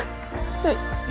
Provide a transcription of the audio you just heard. はい。